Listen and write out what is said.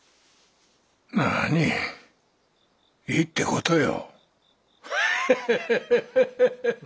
なにいいって事よ。